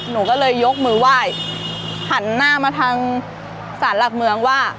หนูก็เลยยกมือไหว้หันหน้ามาทางศาลหลักเมืองว่า